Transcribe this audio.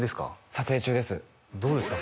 撮影中ですどうですか？